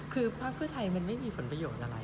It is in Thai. คือภาคเพื่อไทยมันไม่มีผลประโยชน์อะไร